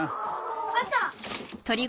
あった！